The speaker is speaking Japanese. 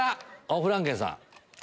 フランケンさん。